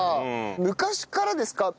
昔からですか？